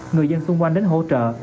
người dân xung quanh đến hỗ trợ